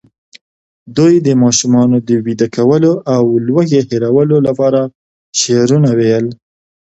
دوی د ماشومانو د ویده کولو او لوږې هېرولو لپاره شعرونه ویل.